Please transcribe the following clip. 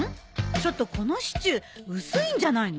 ちょっとこのシチュー薄いんじゃないの？